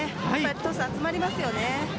トス、集まりますよね。